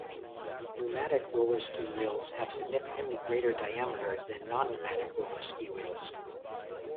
Pneumatic roller ski wheels have significantly greater diameter than non-pneumatic rollerski wheels.